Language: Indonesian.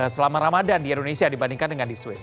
ibadah selama ramadhan di indonesia dibandingkan di swiss